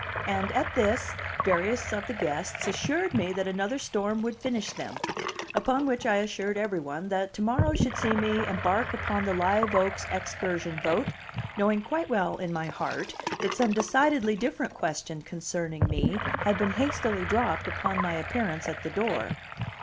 And, at this, various of the guests assured me that another storm would finish them; upon which I assured every one that to morrow should see me embark upon the Live Oaks excursion boat, knowing quite well in my heart that some decidedly different question concerning me had been hastily dropped upon my appearance at the door.